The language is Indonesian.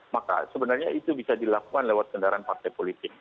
maka sebenarnya itu bisa dilakukan lewat kendaraan partai politik